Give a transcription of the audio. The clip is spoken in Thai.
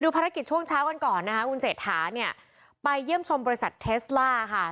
ดูภารกิจช่วงเช้าก่อนคุณเศษฐาไปเยี่ยมชมบริษัทเทสลาค่ะ